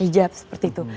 hijab seperti itu